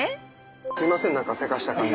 すいません何かせかした感じ。